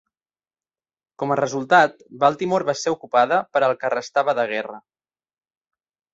Com a resultat, Baltimore va ser ocupada per al que restava de guerra.